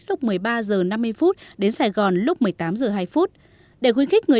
lúc một mươi ba h năm mươi đến sài gòn lúc một mươi tám h hai